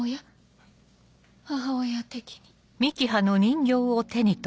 母親的に。